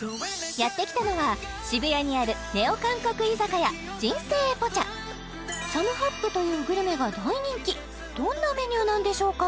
やってきたのは渋谷にあるネオ韓国居酒屋人生ポチャサムハップというグルメが大人気どんなメニューなんでしょうか？